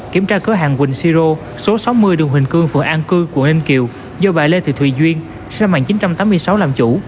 kiểm tra cửa hàng quỳnh siro số sáu mươi đường huỳnh cương phường an cư quận ninh kiều do bà lê thị thùy duyên sân mạng chín trăm tám mươi sáu làm chủ